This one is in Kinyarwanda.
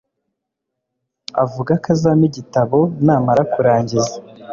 avuga ko azampa igitabo namara kurangiza